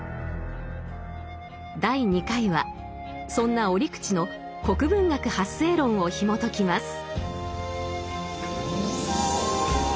第２回はそんな折口の「国文学発生論」をひもときます。